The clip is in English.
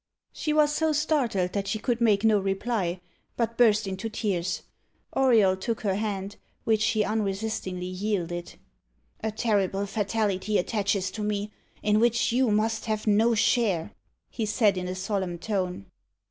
She was so startled, that she could make no reply, but burst into tears. Auriol took her hand, which she unresistingly yielded. "A terrible fatality attaches to me, in which you must have no share," he said, in a solemn tone.